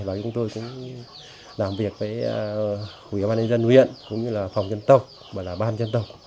và chúng tôi cũng làm việc với quỹ ban nhân nguyện cũng như là phòng dân tộc và là ban dân tộc